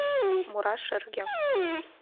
Мура шырге